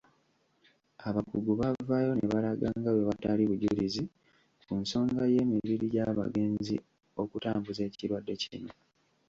Abakugu baavaayo ne balaga nga bwe watali bujulizi ku nsonga y'emibiri gy'abagenzi okutambuza ekirwadde kino.